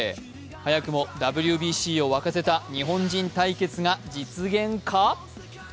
早くもＷＢＣを沸かせた日本人対決が実現か？